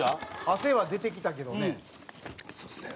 汗は出てきたけどね。